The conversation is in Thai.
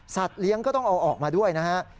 เลี้ยงก็ต้องเอาออกมาด้วยนะฮะ